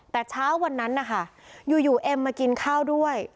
แต่เช้าวันนั้นนะคะอยู่เอ็มมากินข้าวด้วย